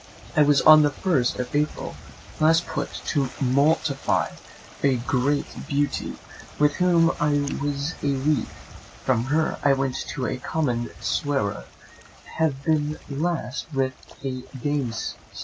I was on the first of April last put to mortify a great beauty, with whom I was a week; from her I went to a common swearer, and have been last with a gamester.